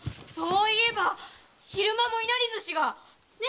そういえば昼間も稲荷ずしが。